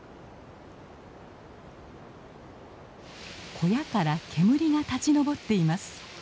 小屋から煙が立ち上っています。